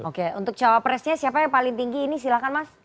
oke untuk cawapresnya siapa yang paling tinggi ini silahkan mas